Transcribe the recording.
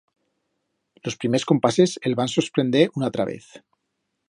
Los primers compases el van sosprender una atra vez.